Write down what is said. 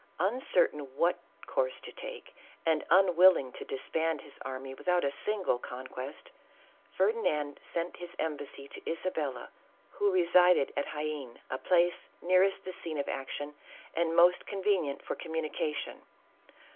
Uncertain what course to take, and unwilling to dis band his army without a single conquest, Ferdinand sent an embassy to Isabella who resided at Jaen, a place nearest the scene of action and most convenient for communication.